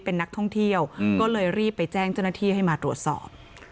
เป็นนักท่องเที่ยวก็เลยรีบไปแจ้งเจ้าหน้าที่ให้มาตรวจสอบ